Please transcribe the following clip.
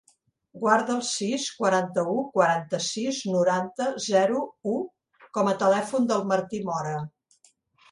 Guarda el sis, quaranta-u, quaranta-sis, noranta, zero, u com a telèfon del Martí Mora.